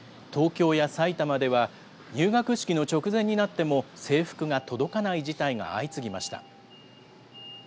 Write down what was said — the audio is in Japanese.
東京や埼玉では、入学式の直前になっても制服が届かない事態が相次ぎました。